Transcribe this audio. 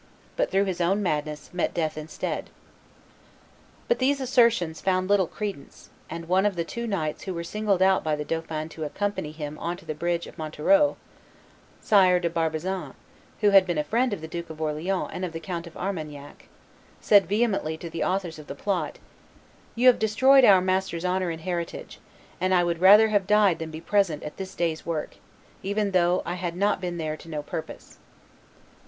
. but, through his own madness, met death instead." But these assertions found little credence, and one of the two knights who were singled out by the dauphin to accompany him on to the bridge of Montereau, Sire de Barbazan, who had been a friend of the Duke of Orleans and of the Count of Armagnac, said vehemently to the authors of the plot, "You have destroyed our master's honor and heritage, and I would rather have died than be present at this day's work, even though I had not been there to no purpose."